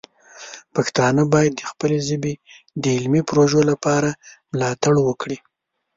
پښتانه باید د خپلې ژبې د علمي پروژو لپاره مالتړ وکړي.